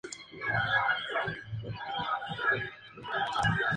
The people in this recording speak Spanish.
No se aconseja realizar esta operación cuando sopla un viento recio y frío.